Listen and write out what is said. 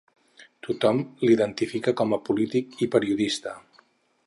Tothom l'identifica com a polític i periodista.